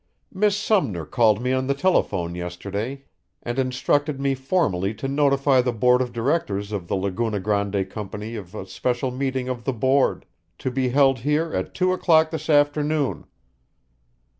"Miss Sumner called me on the telephone yesterday and instructed me formally to notify the board of directors of the Laguna Grande Company of a special meeting of the board, to be held here at two o'clock this afternoon.